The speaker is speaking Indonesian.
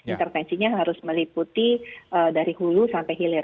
intervensinya harus meliputi dari hulu sampai hilir